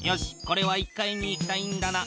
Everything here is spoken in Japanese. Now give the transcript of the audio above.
これは１階に行きたいんだな。